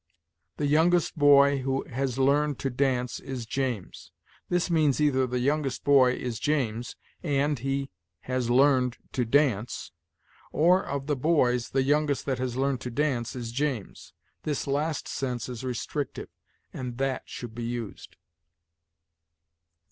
'The youngest boy who has learned to dance is James.' This means either 'the youngest boy is James, and he has learned to dance,' or, 'of the boys, the youngest that has learned to dance is James.' This last sense is restrictive, and 'that' should be used.